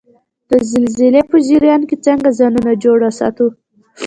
د زلزلې په جریان کې څنګه ځان جوړ وساتو؟